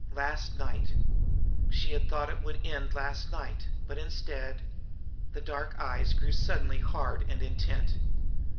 Last night! She had thought it was the end last night, but instead The dark eyes grew suddenly hard and intent.